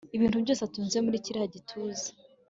Ibintu byose utunze muri kiriya gituza